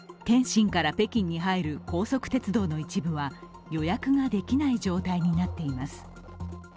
天津から北京に入る高速鉄道の一部は予約ができない状態になっています。